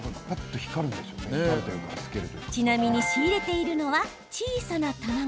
ちなみに、仕入れているのは小さな卵。